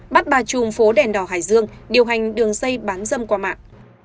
bắt bà trùm phố đèn đỏ hải dương điều hành đường xây bán dâm qua mạng